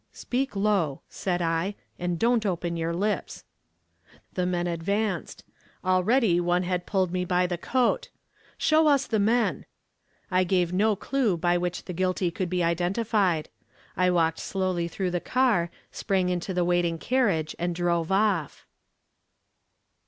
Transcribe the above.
Speak low,' said I, 'and don't open your lips.' The men advanced. Already one had pulled me by the coat. 'Show us the men.' I gave no clew by which the guilty could be identified. I walked slowly through the car, sprang into the waiting carriage, and drove off."